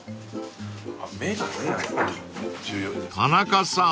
［田中さん